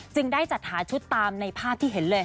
ได้จัดหาชุดตามในภาพที่เห็นเลย